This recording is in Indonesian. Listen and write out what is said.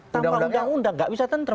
tanpa undang undang nggak bisa tentram